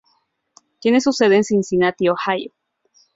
Tiene su sede en Cincinnati, Ohio.